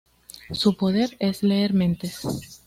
Su poder es leer mentes.